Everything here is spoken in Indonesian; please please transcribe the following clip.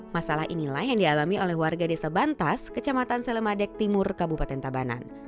masalah inilah yang dialami oleh warga desa bantas kecamatan selemadeg timur kabupaten tabanan